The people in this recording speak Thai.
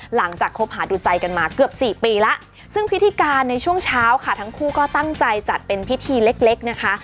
คบหาดูใจกันมาเกือบสี่ปีแล้วซึ่งพิธีการในช่วงเช้าค่ะทั้งคู่ก็ตั้งใจจัดเป็นพิธีเล็กเล็กนะคะ